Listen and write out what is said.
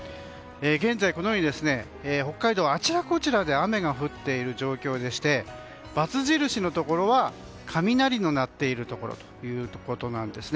現在、北海道はあちらこちらで雨が降っている状況でバツ印のところは雷の鳴っているところということです。